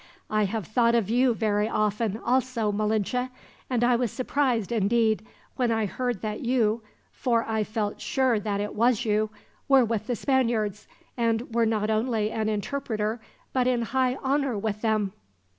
"I have thought of you very often, also, Malinche; and I was surprised, indeed, when I heard that you for I felt sure that it was you were with the Spaniards, and were not only an interpreter, but in high honor with them."